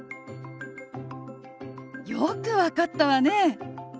よく分かったわね。